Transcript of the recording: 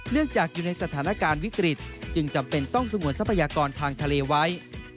จากอยู่ในสถานการณ์วิกฤตจึงจำเป็นต้องสงวนทรัพยากรทางทะเลไว้